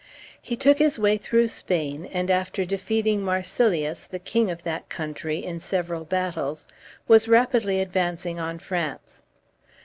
He took his way through Spain, and, after defeating Marsilius, the king of that country, in several battles, was rapidly advancing on France.